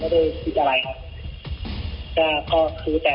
ไม่ได้คิดหนีไม่ได้คิดอะไร